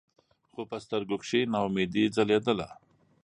خو پۀ سترګو کښې ناامېدې ځلېده ـ